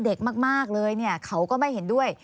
เด็กมากเลยเขาก็ไม่เห็นด้วย